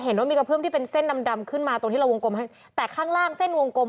เห็นว่ามีกระเพื่อมที่เป็นเส้นดำดำขึ้นมาตรงที่เราวงกลมให้แต่ข้างล่างเส้นวงกลม